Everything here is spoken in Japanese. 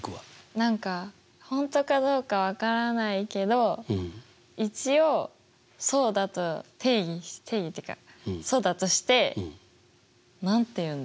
何か本当かどうか分からないけど一応そうだと定義定義っていうかそうだとして何て言うんだ？